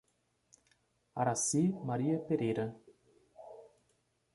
Aracy Maria Pereira